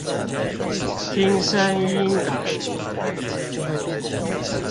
聽聲音感覺